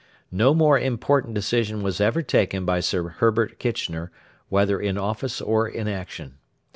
No more important decision was ever taken by Sir Herbert Kitchener, whether in office or in action.